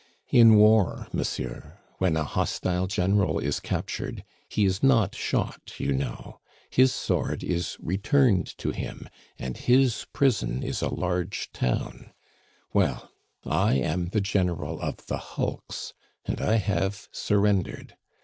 "In war, monsieur, when a hostile general is captured, he is not shot, you know; his sword is returned to him, and his prison is a large town; well, I am the general of the hulks, and I have surrendered.